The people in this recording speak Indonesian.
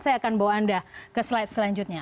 saya akan bawa anda ke slide selanjutnya